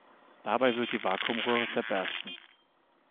Dabei wird die Vakuumröhre zerbersten.